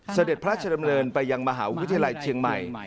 เสด็จพระราชดำเนินไปยังมหาวิทยาลัยเชียงใหม่